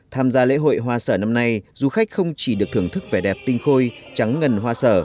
tham gia lễ hội hoa sở năm nay du khách không chỉ được thưởng thức vẻ đẹp tinh khôi trắng ngần hoa sở